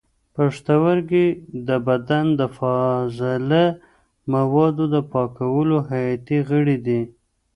پښتورګي د بدن د فاضله موادو د پاکولو حیاتي غړي دي.